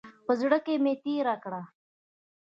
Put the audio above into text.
په زړه کې مې تېره کړه.